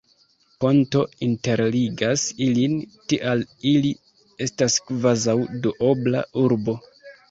Ponto interligas ilin, tial ili estas kvazaŭ Duobla urbo.